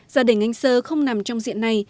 gia đình anh sơ không nằm trong diện này